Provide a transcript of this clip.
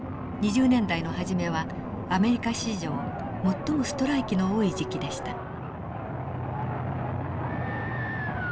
２０年代の初めはアメリカ史上最もストライキの多い時期でした。